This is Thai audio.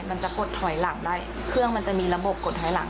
มันจะกดถอยหลังได้เครื่องมันจะมีระบบกดถอยหลัง